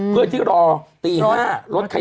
เพื่อที่รอตีมาเริ่มค่ะ